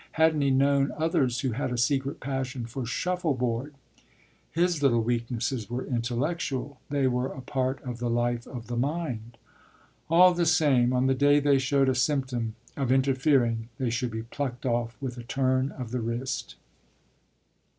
hadn't he known others who had a secret passion for shuffleboard? His little weaknesses were intellectual they were a part of the life of the mind. All the same, on the day they showed a symptom of interfering they should be plucked off with a turn of the wrist.